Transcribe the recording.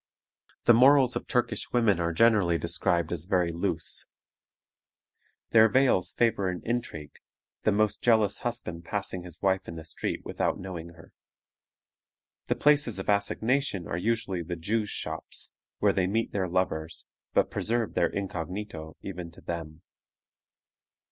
The morals of Turkish women are generally described as very loose. Their veils favor an intrigue, the most jealous husband passing his wife in the street without knowing her. The places of assignation are usually the Jews' shops, where they meet their lovers, but preserve their incognito even to them.